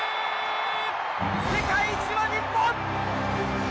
世界一は日本！